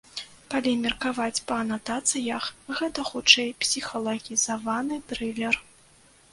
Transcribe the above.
Калі меркаваць па анатацыях, гэта хутчэй псіхалагізаваны трылер.